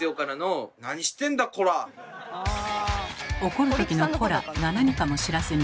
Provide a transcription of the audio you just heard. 怒るときの「コラ！」が何かも知らずに。